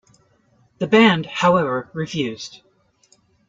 The band, however, refused.